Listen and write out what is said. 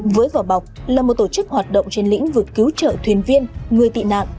với vỏ bọc là một tổ chức hoạt động trên lĩnh vực cứu trợ thuyền viên người tị nạn